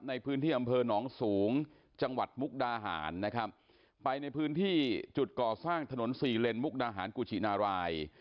ในพื้นที่อำเภอหนองสูงจังหวัดมุกดาหารนะครับไปในพื้นที่จุดก่อสร้างถนนสี่เลนมุกดาหารกุชินาราย